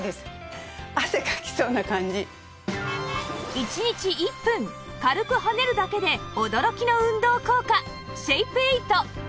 １日１分軽く跳ねるだけで驚きの運動効果シェイプエイト